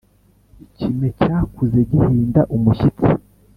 ikime cyakuze gihinda umushyitsi,